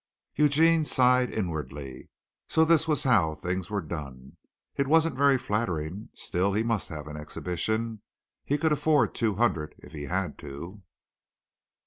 Eugene sighed inwardly. So this was how these things were done. It wasn't very flattering. Still, he must have an exhibition. He could afford two hundred if he had to.